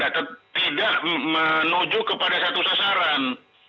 tidak menuju kepada satu sasaran